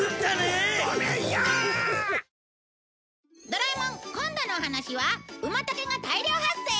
『ドラえもん』今度のお話はウマタケが大量発生！？